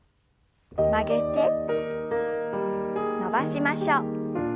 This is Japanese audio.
曲げて伸ばしましょう。